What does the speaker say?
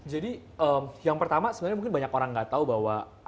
jadi yang pertama sebenarnya mungkin banyak orang nggak tahu bahwa